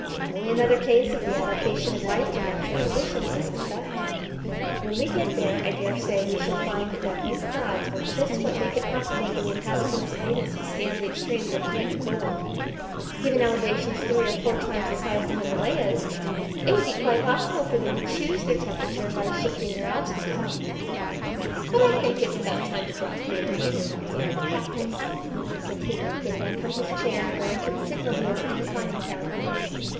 "Only another case of the adaptation of life to natural conditions, I expect. When we get there I daresay we shall find that these clouds are just what make it possible for the inhabitants of Venus to stand the extremes of heat and cold. Given elevations three or four times as high as the Himalayas, it would be quite possible for them to choose their temperature by shifting their altitude. "But I think it's about time to drop theory and see to the practice," he continued, getting up from his chair and going to the signal board in the conning tower.